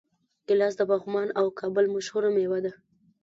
ګیلاس د پغمان او کابل مشهوره میوه ده.